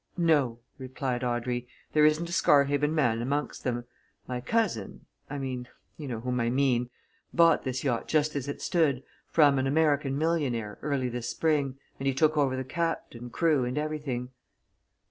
"No," replied Audrey. "There isn't a Scarhaven man amongst them. My cousin I mean you know whom I mean bought this yacht just as it stood, from an American millionaire early this spring, and he took over the captain, crew, and everything."